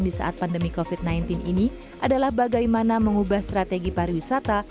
di saat pandemi covid sembilan belas ini adalah bagaimana mengubah strategi pariwisata